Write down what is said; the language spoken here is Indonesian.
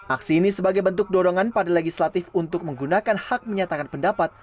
aksi ini sebagai bentuk dorongan pada legislatif untuk menggunakan hak menyatakan pendapat